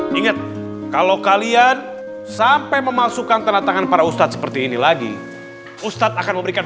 ingat kalau kalian sampai memasukkan tanda tangan para ustadz seperti ini lagi ustadz akan memberikan